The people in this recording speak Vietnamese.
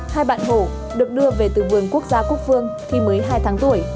hai bạn hổ được đưa về từ vườn quốc gia quốc phương khi mới hai tháng tuổi